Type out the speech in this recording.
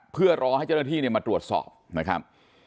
เพื่อรอให้เจ้าหน้าที่มาตรวจสอบนะครับ